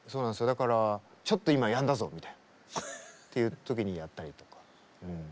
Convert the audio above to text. だから「ちょっと今やんだぞ」みたいなっていう時にやったりとか。